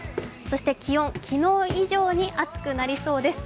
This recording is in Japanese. そして気温、昨日以上に暑くなりそうです。